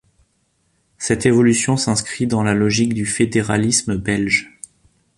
Cette évolution s'inscrit dans la logique du fédéralisme belge.